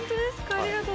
ありがとう。